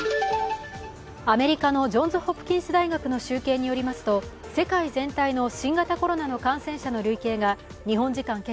アメリカのジョンズ・ホプキンス大学の集計によりますと世界全体の新型コロナの感染者の累計が日本時間